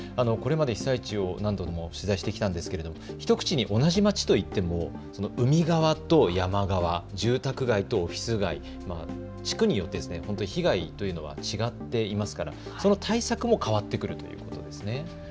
これまで被災地を何度も取材してきたんですけれども一口に同じ町と言っても海側と山側、住宅街とオフィス街、地区によって本当に被害というのは違っていますから対策も変わってくるということですね。